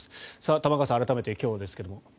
玉川さん、改めて今日ですが。